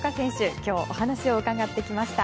今日、お話を伺ってきました。